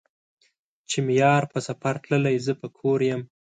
چې مې يار په سفر تللے زۀ به کور يم